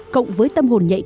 cộng với tâm hồn nhạy cao